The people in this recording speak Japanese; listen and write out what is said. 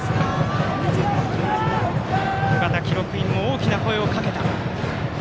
緒方記録員も大きな声をかけた。